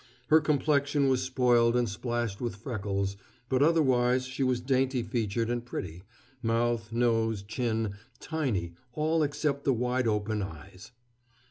Her complexion was spoiled and splashed with freckles, but otherwise she was dainty featured and pretty mouth, nose, chin, tiny, all except the wide open eyes.